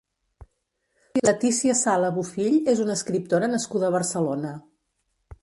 Leticia Sala Bufill és una escriptora nascuda a Barcelona.